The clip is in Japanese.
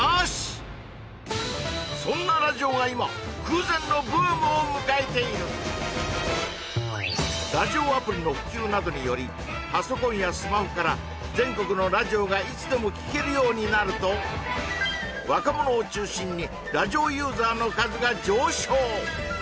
そんなラジオが今空前のブームを迎えているラジオアプリの普及などによりパソコンやスマホから全国のラジオがいつでも聴けるようになると若者を中心にラジオユーザーの数が上昇